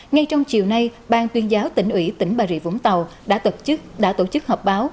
ngay trong chiều nay bang tuyên giáo tỉnh ủy tỉnh bà rịa vũng tàu đã tổ chức hợp báo